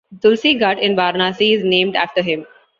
The Tulsi Ghat in Varnasi is named after him.